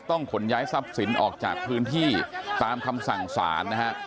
ขนย้ายทรัพย์สินออกจากพื้นที่ตามคำสั่งสารนะฮะ